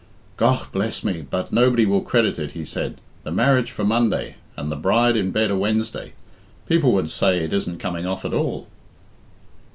"Gough bless me, but nobody will credit it," he said. "The marriage for Monday, and the bride in bed a Wednesday. People will say it isn't coming off at all."